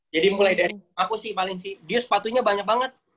jadi mulai dari aku sih paling sih dia sepatunya banyak banget